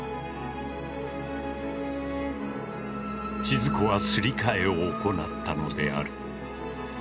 千鶴子はすり替えを行ったのである。